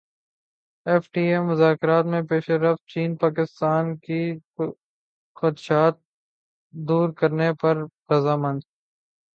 F T A مذاکرات میں پیش رفت چین پاکستان کے خدشات دور کرنے پر رضامند